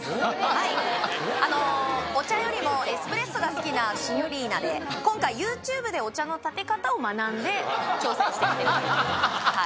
はっお茶よりもエスプレッソが好きなシニョリーナで今回ＹｏｕＴｕｂｅでお茶のたて方を学んで挑戦してきてるというははは